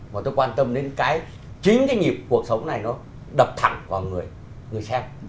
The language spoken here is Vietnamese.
mà tôi quan tâm đến cái chính cái nhịp cuộc sống này nó đập thẳng vào người xem